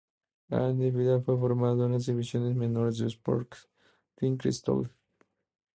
Andy Vidal fue formado en las divisiones menores del Sporting Cristal.